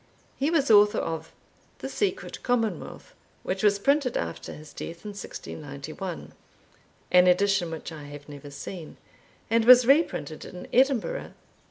He was author of the Secret Commonwealth, which was printed after his death in 1691 (an edition which I have never seen) and was reprinted in Edinburgh, 1815.